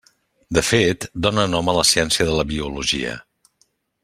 De fet, dóna nom a la ciència de la biologia.